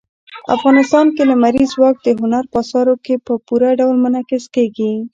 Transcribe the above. افغانستان کې لمریز ځواک د هنر په اثارو کې په پوره ډول منعکس کېږي.